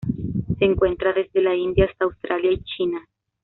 Se encuentra desde la India hasta Australia y China.